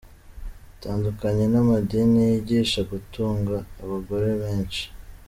Bitandukanye n’amadini yigisha gutunga abagore benshi.